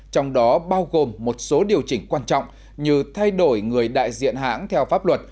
trong đó bao gồm một số điều chỉnh quan trọng như thay đổi người đại diện hãng theo pháp luật